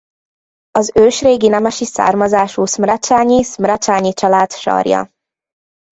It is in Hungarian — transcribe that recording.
Az ősrégi nemesi származású szmrecsányi Szmrecsányi család sarja.